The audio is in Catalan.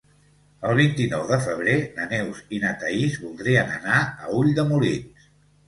El vint-i-nou de febrer na Neus i na Thaís voldrien anar a Ulldemolins.